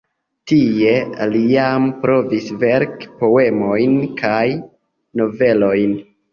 Tie li jam provis verki poemojn kaj novelojn.